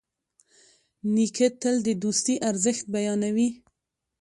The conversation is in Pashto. نیکه تل د دوستي ارزښت بیانوي.